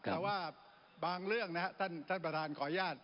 แต่ว่าบางเรื่องนะครับท่านประธานขออนุญาต